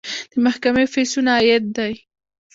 د محکمې فیسونه عاید دی